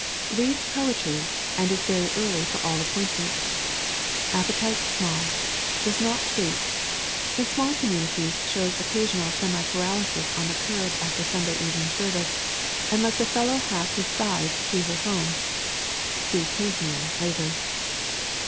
Reads poetry, and is very early for all appointments. Appetite small. Does not sleep. In small communities shows occasional semi paralysis on the curb after Sunday evening service, and lets a fellow half his size see her home. (See cave man, later.)